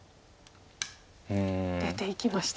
うん。出ていきました。